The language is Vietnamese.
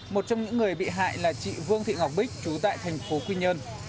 một trong những người bị hại là chị vương thị ngọc bích trú tại thành phố quy nhơn